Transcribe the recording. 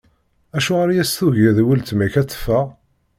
Acuɣer i as-tugiḍ i weltma-k ad teffeɣ?